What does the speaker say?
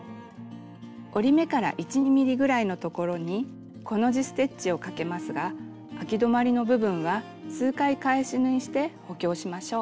折り目から１２ｍｍぐらいのところにコの字ステッチをかけますがあき止まりの部分は数回返し縫いして補強しましょう。